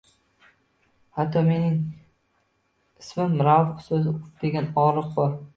Xatto mening ismim Rauf so’zida “uf” degan og’riq bor.